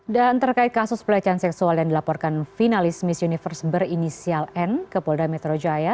dan terkait kasus pelecehan seksual yang dilaporkan finalis miss universe berinisial n ke polda metro jaya